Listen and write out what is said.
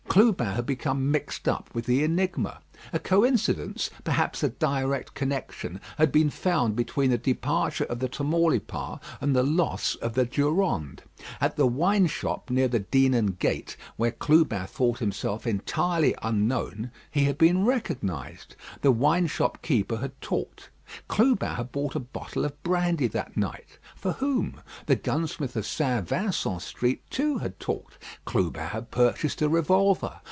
Clubin had become mixed up with the enigma. A coincidence, perhaps a direct connection, had been found between the departure of the Tamaulipas and the loss of the Durande. At the wine shop near the Dinan Gate, where Clubin thought himself entirely unknown, he had been recognised. The wine shop keeper had talked; Clubin had bought a bottle of brandy that night. For whom? The gunsmith of St. Vincent Street, too, had talked. Clubin had purchased a revolver.